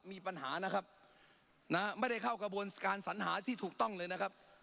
มีปัญหานะครับนะไม่ได้เข้ากระบวนการสัญหาที่ถูกต้องเลยนะครับ